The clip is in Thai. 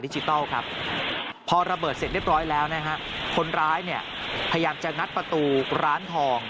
ดิจิตัลครับพอระเบิดเสร็จได้พอแล้วนะครับคนร้ายเนี่ยพยายามจะชั่งงัดประตูร้าน